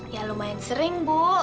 ya lumayan sering bu